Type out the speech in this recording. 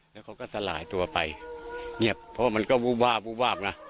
แล้วเขาก็สลายตัวไปเงียบเพราะว่ามันก็วูบวาบวูบวาบนะ